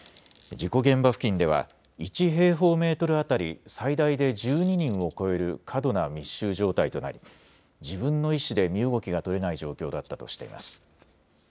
事故現場付近では、１平方メートル当たり、最大で１２人を超える過度な密集状態となり、自分の意思で身動きが取れない状況だったとしています。